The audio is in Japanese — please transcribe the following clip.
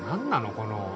この。